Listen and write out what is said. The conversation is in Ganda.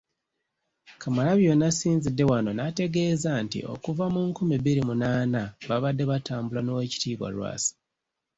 Kamalabyonna asinzidde wano n’ategeeza nti okuva mu nkumi bbiri munaana babadde batambula n’Oweekitiibwa Lwasa.